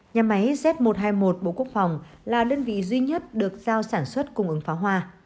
nhà máy z một trăm hai mươi một bộ quốc phòng là đơn vị duy nhất được giao sản xuất cung ứng pháo hoa